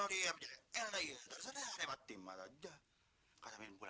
tapi mau jual